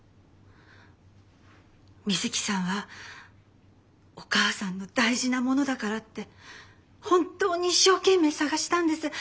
みづきさんはお母さんの大事なものだからって本当に一生懸命捜したんです。